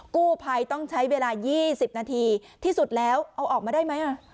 กู้ภัยต้องใช้เวลา๒๐นาทีที่สุดแล้วเอาออกมาได้ไหม